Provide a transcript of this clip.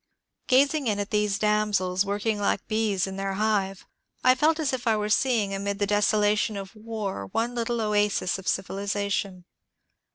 Gazing in at these damsels work ing like bees in their hive, I felt as if I were seeing amid the desolation of war one little oasis of civilization.